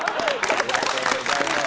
ありがとうございます。